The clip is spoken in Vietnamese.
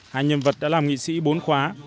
hai nhân vật đã làm nghị sĩ bốn khóa